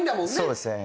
そうですね。